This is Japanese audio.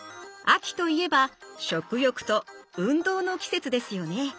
秋といえば食欲と運動の季節ですよね。